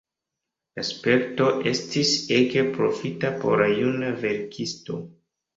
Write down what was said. La sperto estis ege profita por la juna verkisto.